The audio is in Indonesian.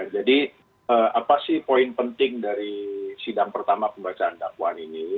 jadi apa sih poin penting dari sidang pertama pembacaan dakwaan ini